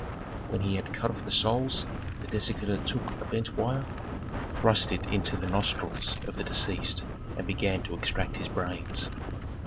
When he had cut off the soles, the dissector took a bent wire, thrust it into the nostrils of the deceased and began to extract his brains.